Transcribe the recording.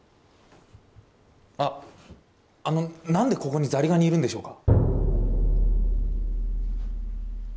あッあの何でここにザリガニいるんでしょうか？